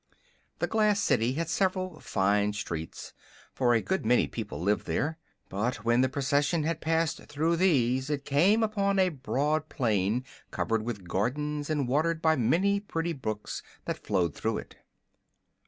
The glass city had several fine streets, for a good many people lived there; but when the procession had passed through these it came upon a broad plain covered with gardens and watered by many pretty brooks that flowed through it.